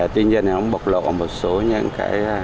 tuy nhiên nó bộc lộ một số những